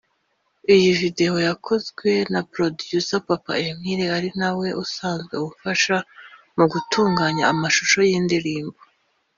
“Iyi video yakozwe na Producer Papa Emile ari na we usanzwe umfasha mu gutunganya amashusho y’indirimbo